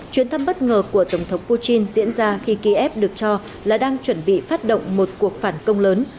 chuyến thăm bất ngờ của tổng thống putin diễn ra khi kiev được cho là đang chuẩn bị phát động một cuộc phản công lớn